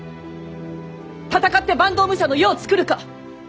戦って坂東武者の世をつくるか。